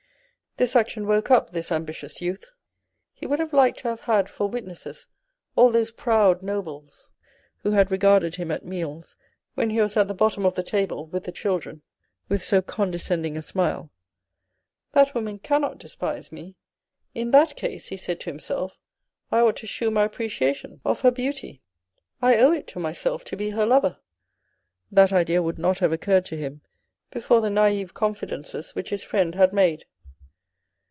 This action woke up this ambitious youth ; he would have liked to have had for witnesses all those proud nobles who had regarded him at meals, when he was at the bottom of the table with the children, with so condescending a smile. "That woman cannot despise me; in that case," he said to himself. " I ought to shew my appreciation of her beauty. I owe it to myself to be her lover." That idea would not have occurred to him before the naive confidences which his friend had made.